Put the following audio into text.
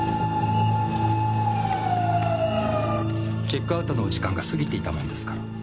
チェックアウトのお時間が過ぎていたものですから。